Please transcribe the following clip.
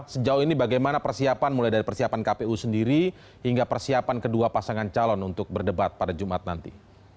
sejauh ini bagaimana persiapan mulai dari persiapan kpu sendiri hingga persiapan kedua pasangan calon untuk berdebat pada jumat nanti